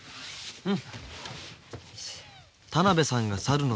うん。